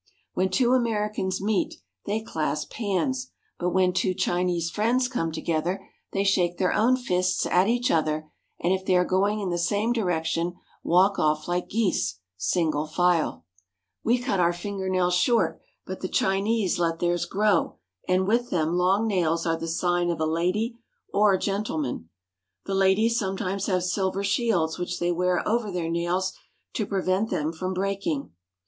When two Americans meet, they clasp hands, but when t\yo Chinese friends come together, they shake their own CURIOUS CHINESE CUSTOMS 171 fists at each other, and if they are going in the s.ame direc tion, walk off Hke geese, single file. We cut our fingernails short, but the Chinese let theirs grow, and with them long nails are the sign of a lady or gentleman. The ladies sometimes have silver shields which they wear over their nails to prevent them from breaking.